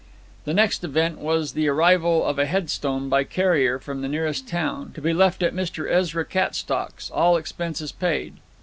The next event was the arrival of a headstone by carrier from the nearest town; to be left at Mr. Ezra Cattstock's; all expenses paid.